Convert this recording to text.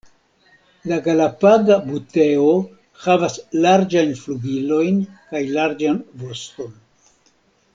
La Galapaga buteo havas larĝajn flugilojn kaj larĝan voston.